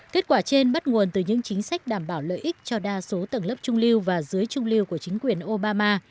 kết quả trên bắt nguồn từ những chính sách đảm bảo lợi ích cho đa số tầng lớp trung lưu và dưới trung lưu của chính quyền obama